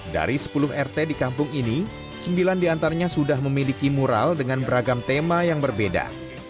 dari sepuluh rt di kampung ini sembilan diantaranya sudah memiliki mural dengan beragam tema yang berbeda